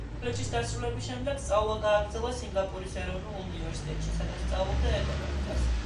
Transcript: კოლეჯის დასრულების შემდეგ სწავლა გააგრძელა სინგაპურის ეროვნულ უნივერსიტეტში, სადაც სწავლობდა ეკონომიკას.